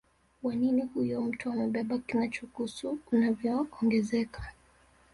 wa nini huyo mtu amebeba kinachokuhusu unavyoongezeka